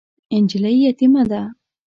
نجلۍ یتیمه ده .